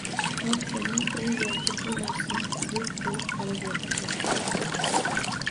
Har kuni u yoki bu narsa yo`q bo`lib qolaveribdi